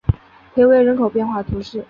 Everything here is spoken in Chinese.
佩维人口变化图示